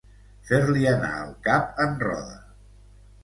Fer-li anar el cap en roda.